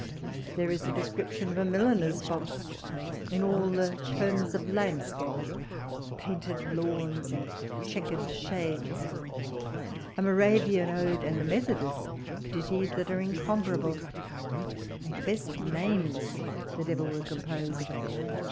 There is a description of a milliner's box in all the terms of landscape, painted lawns and chequered shades, a Moravian ode, and a Methodist ditty, that are incomparable, and the best names that ever were composed.